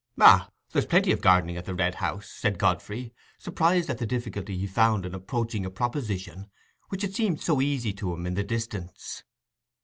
"Ah, there's plenty of gardening at the Red House," said Godfrey, surprised at the difficulty he found in approaching a proposition which had seemed so easy to him in the distance.